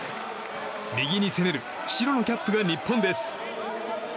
右に攻める白のキャップが日本です。